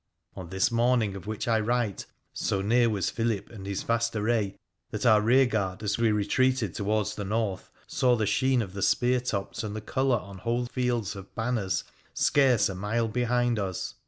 On this morning of which I write so near was Philip and his vast array that our rearguard, as we retreated slowly towards the North, saw the sheen of the spear tops and the colour on whole fields of banners, scarce a mile behind us.